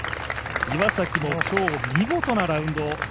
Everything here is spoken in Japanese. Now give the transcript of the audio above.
岩崎も今日見事なラウンド。